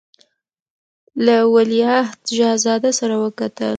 له ولیعهد شهزاده سره وکتل.